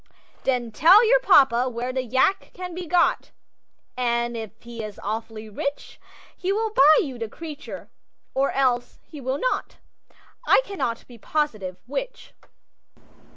Then tell you papa where the Yak can be got, And if he is awfully rich He will buy you the creature or else he will not. (I cannot be positive which.)